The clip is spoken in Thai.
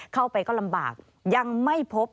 เข้าไปก็ลำบากยังไม่พบ